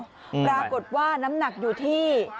ปรากฏว่าน้ำหนักอยู่ที่